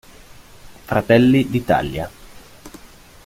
Fratelli d'Italia.